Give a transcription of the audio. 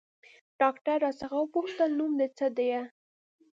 ډاکتر راڅخه وپوښتل نوم دې څه ديه.